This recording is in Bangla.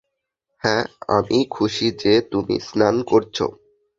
হ্যাঁ, আমি খুশি যে তুমি স্নান করছো।